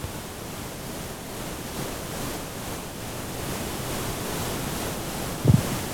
তাহাকে তাহার কালেজের পণ্ডিতমহাশয় রজতগিরি বলিয়া ডাকিতেন।